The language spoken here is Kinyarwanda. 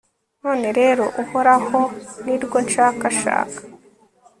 none rero, uhoraho, ni rwo nshakashaka